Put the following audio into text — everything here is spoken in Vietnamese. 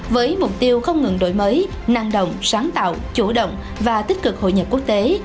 với mục tiêu không ngừng đổi mới năng động sáng tạo chủ động và tích cực hội nhập quốc tế